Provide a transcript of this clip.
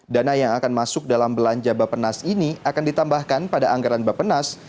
dana yang akan masuk dalam belanja bapenas ini akan ditambahkan pada anggaran bapenas